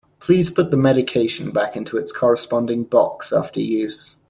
Please put the medication back into its corresponding box after use.